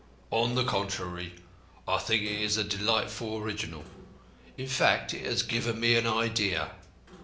On the contrary, I think it is delightfully original. In fact it has given me an idea.